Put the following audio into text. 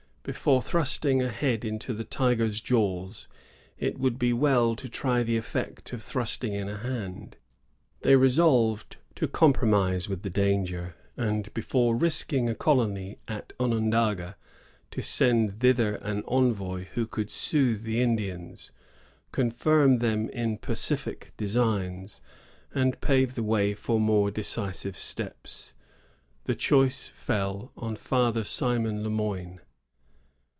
Before thrusting a head into the tiger's jaws, it would be well to try the effect of thrusting in a 64 THE JESUITS AT ONONDAGA. [1654. hand. They resolved to compromise with the danger, and before risking a colony at Onondaga to send thither an envoy who could soothe the Indians, confirm them in pacific designs, and pave the way for more decisive steps. The choice fell on Father Simon Le Moyne.